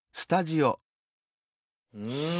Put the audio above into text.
うん！